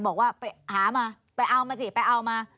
บอกว่าไปหามาไปเอามาสิไปเอามา